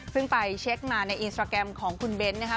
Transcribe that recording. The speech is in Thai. ซึ่งไปเช็คมาในอินสตราแกรมของคุณเบ้นนะคะ